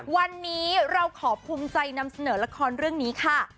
วันนี้เราขอภูมิใจนำเสนอละครเรื่องนี้ค่ะ